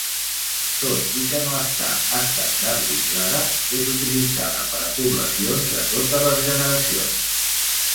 Tot i que no està estandarditzada, és utilitzada per a població de totes les generacions.